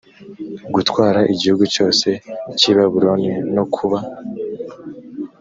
gutwara igihugu cyose cy i babuloni no kuba